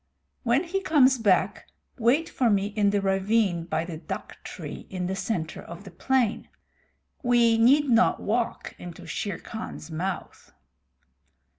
When he comes back wait for me in the ravine by the dhak tree in the center of the plain. We need not walk into Shere Khan's mouth."